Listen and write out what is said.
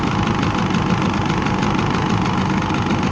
และมันกลายเป้าหมายเป้าหมายเป้าหมาย